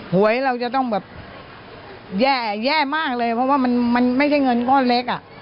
หวยเราจะต้องแบบแย่มากเลยเพราะว่ามันไม่ใช่เงินก้อนเล็กอ่ะ